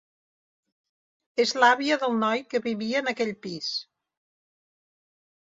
És l'àvia del noi que vivia en aquell pis.